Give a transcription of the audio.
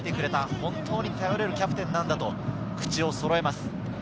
本当に頼れるキャプテンなんだと口をそろえます。